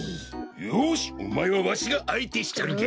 よしおまえはわしがあいてしちょるげ！